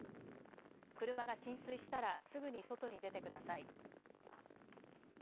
車が浸水したらすぐに外に出てください。